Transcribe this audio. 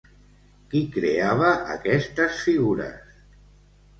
Qui creava aquestes figures?